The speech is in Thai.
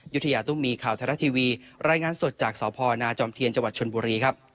อยุธยาต้มมีข่าวทรัพย์ทีวีรายงานสดจากสอบพอร์นาจอมเทียนจชนบุรีครับ